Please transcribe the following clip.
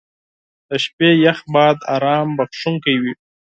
• د شپې یخ باد ارام بخښونکی وي.